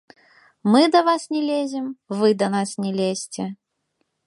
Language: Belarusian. Мы да вас не лезем, вы да нас не лезьце.